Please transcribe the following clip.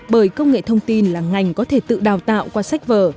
bởi công nghệ thông tin là ngành có thể tự đào tạo qua sách vở